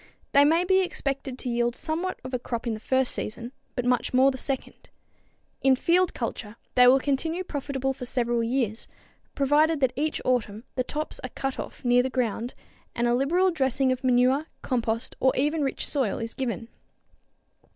They may be expected to yield somewhat of a crop the first season, but much more the second. In field culture they will continue profitable for several years, provided that each autumn the tops are cut off near the ground and a liberal dressing of manure, compost or even rich soil is given.